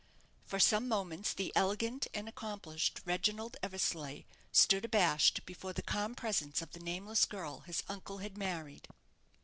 For some moments the elegant and accomplished Reginald Eversleigh stood abashed before the calm presence of the nameless girl his uncle had married.